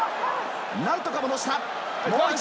何とか戻した。